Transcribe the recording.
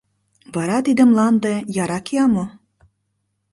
Вара тиде мланде яра кия мо?